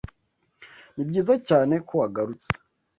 Nibyiza cyane ko wagarutse